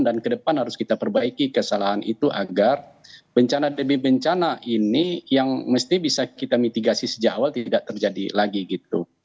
dan ke depan harus kita perbaiki kesalahan itu agar bercana demi bencana ini yang mesti bisa kita mitigasi sejak awal tidak terjadi lagi gitu